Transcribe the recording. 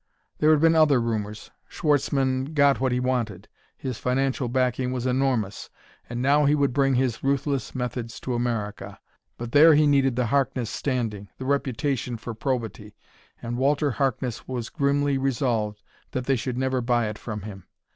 There had been other rumors; Schwartzmann got what he wanted; his financial backing was enormous. And now he would bring his ruthless methods to America. But there he needed the Harkness standing, the reputation for probity and Walter Harkness was grimly resolved that they should never buy it from him.